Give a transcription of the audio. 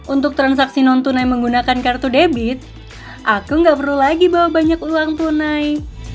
untuk transaksi non tunai menggunakan kartu debit aku nggak perlu lagi bawa banyak uang tunai